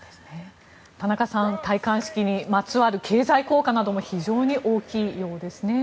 田中さん戴冠式にまつわる経済効果なども非常に大きいようですね。